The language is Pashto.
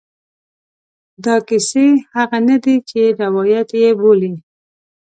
دا کیسې هغه نه دي چې روایت یې بولي.